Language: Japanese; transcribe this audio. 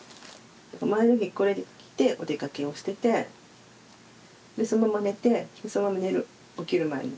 前の日これ着てお出かけをしててでそのまま寝てそのまま寝る起きる前に。